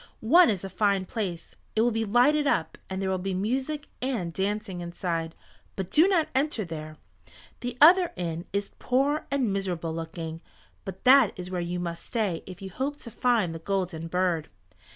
One is a fine place. It will be lighted up, and there will be music and dancing inside. But do not enter there. The other inn is poor and miserable looking, but that is where you must stay if you hope to find the Golden Bird."